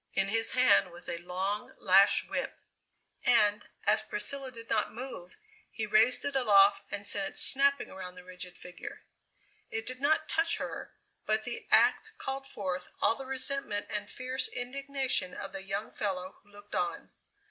In his hand was a long lash whip, and, as Priscilla did not move, he raised it aloft and sent it snapping around the rigid figure. It did not touch her, but the act called forth all the resentment and fierce indignation of the young fellow who looked on.